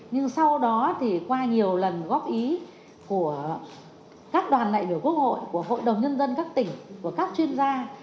nhưng sau đó thì qua nhiều lần góp ý của các đoàn đại biểu quốc hội của hội đồng nhân dân các tỉnh của các chuyên gia